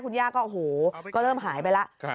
คุณย่าก็โอ้โหก็เริ่มหายไปแล้ว